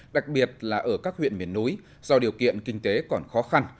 đặc biệt là ở các huyện miền núi do điều kiện kinh tế còn khó khăn